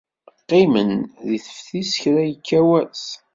Qqimen deg teftist kra yekka wass.